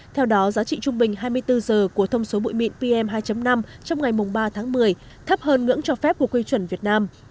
theo đó giá trị trung bình hai mươi bốn giờ của thông số bụi mịn pm hai năm trong ngày ba tháng một mươi thấp hơn ngưỡng cho phép của quy chuẩn việt nam